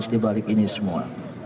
di balik ini semua